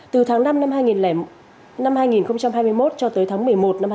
từ tháng năm năm hai nghìn hai mươi một cho tới tháng một mươi một năm hai nghìn hai mươi